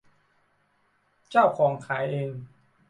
เจ้าของขายเอง